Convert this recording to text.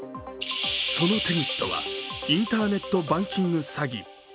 その手口とは、インターネットバンキング詐欺。